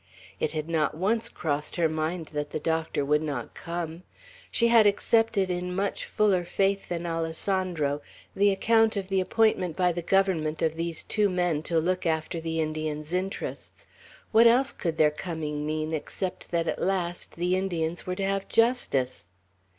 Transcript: It had not once crossed her mind that the doctor would not come. She had accepted in much fuller faith than Alessandro the account of the appointment by the Government of these two men to look after the Indians' interests. What else could their coming mean, except that, at last, the Indians were to have justice?